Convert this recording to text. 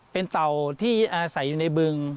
เป็นเต่าที่อาศัยอยู่ในบึง